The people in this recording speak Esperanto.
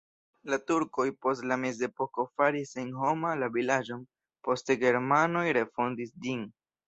La turkoj post la mezepoko faris senhoma la vilaĝon, poste germanoj refondis ĝin.